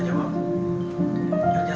saya sudah sera